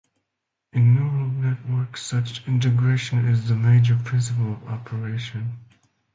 In neural networks, such integration is the major principle of operation.